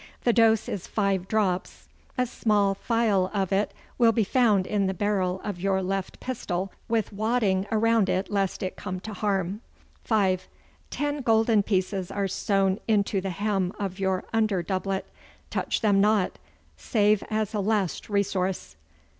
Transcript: The dose is five drops. A small phial of it will be found in the barrel of your left pistol, with wadding around it lest it come to harm. '5. Ten golden pieces are sewn into the hem of your under doublet. Touch them not, save as a last resource.